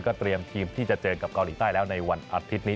เตรียมทีมที่จะเจอกับเกาหลีใต้แล้วในวันอาทิตย์นี้